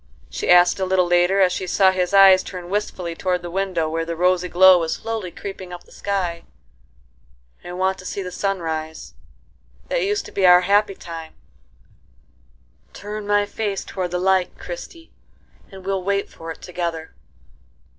she asked a little later, as she saw his eyes turn wistfully toward the window where the rosy glow was slowly creeping up the sky. "I want to see the sun rise;—that used to be our happy time;—turn my face toward the light, Christie, and we'll wait for it together."